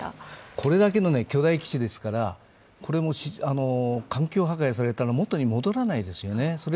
これだけの巨大基地ですから、これも環境破壊されたら、元に戻らないですよね。